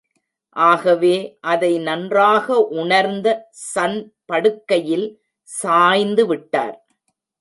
ஆகவே அதை நன்றாக உணர்ந்த சன் படுக்கையில் சாய்ந்துவிட்டார்.